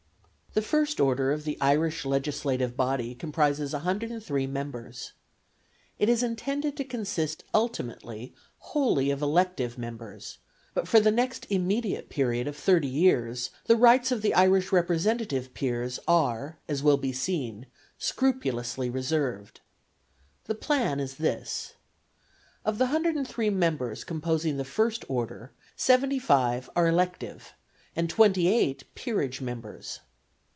The first order of the Irish legislative body comprises 103 members. It is intended to consist ultimately wholly of elective members; but for the next immediate period of thirty years the rights of the Irish representative peers are, as will be seen, scrupulously reserved. The plan is this: of the 103 members composing the first order, seventy five are elective, and twenty eight peerage members.